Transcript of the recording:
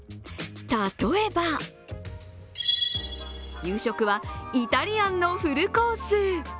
例えば夕食はイタリアンのフルコース。